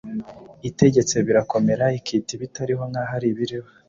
itegetse birakomera. Ikita ibitariho nk’aho ari ibiriho